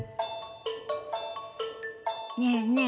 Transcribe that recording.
ねえねえ